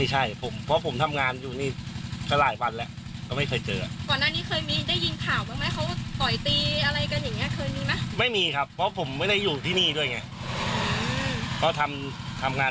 หรือว่าคนงานที่อื่นแล้วเอามาทำ